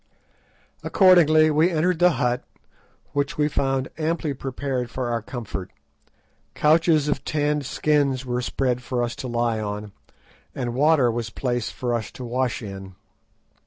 Accordingly we entered the hut, which we found amply prepared for our comfort. Couches of tanned skins were spread for us to lie on, and water was placed for us to wash in.